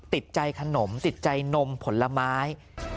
ติดใจขนมติดใจนมผลไม้